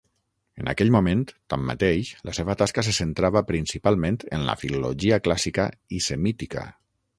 En aquell moment, tanmateix, la seva tasca se centrava principalment en la filologia clàssica i semítica.